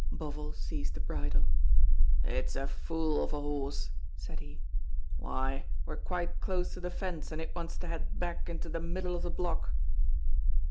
Bovill seized the bridle. "It's a fool of a horse!" said he. "Why, we're quite close to the fence, and it wants to head back into the middle of the block!"